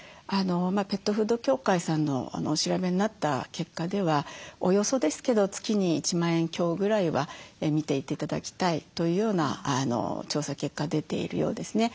ペットフード協会さんのお調べになった結果ではおおよそですけど月に１万円強ぐらいは見て頂きたいというような調査結果出ているようですね。